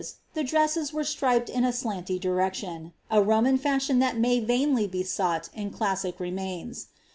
the dresses were striped in a slanting direction — a Roman fashion thii may vainly be sought in classic remains.